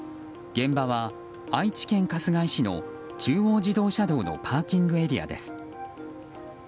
現場は愛知県春日井市の中央自動車道のパーキングエリアです。